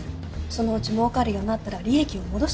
そのうちもうかるようになったら利益を戻してもらう。